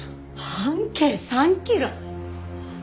半径３キロ？